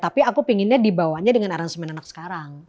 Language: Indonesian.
tapi aku pinginnya dibawanya dengan aransemen anak sekarang